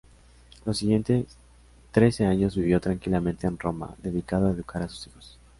Los siguientes trece años vivió tranquilamente en Roma, dedicado a educar a sus hijos.